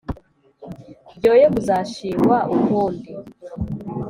byoye kuzashingwa ukundi.